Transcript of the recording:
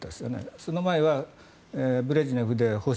その前はブレジネフで保守。